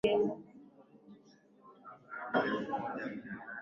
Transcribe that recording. wa Uingereza kiliingia nchini Sierra Leon kwa lengo